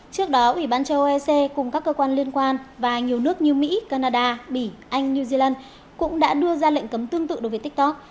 trước đó ủy ban châu âu ec cùng các cơ quan liên quan và nhiều nước như mỹ canada bỉ anh new zealand cũng đã đưa ra lệnh cấm tương tự đối với tiktok